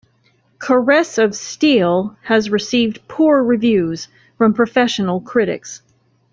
"Caress of Steel" has received poor reviews from professional critics.